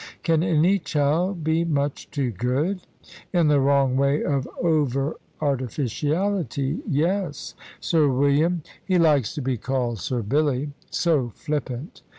"Can any child be much too good?" "In the wrong way of over artificiality, yes. Sir William " "He likes to be called Sir Billy!" "So flippant.